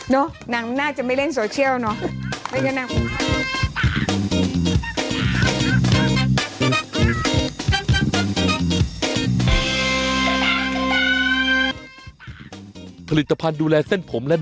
นางน่าจะไม่เล่นโซเชียลเนอะ